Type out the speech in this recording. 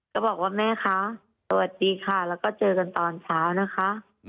ก็บอกว่าแม่คะสวัสดีค่ะแล้วก็เจอกันตอนเช้านะคะ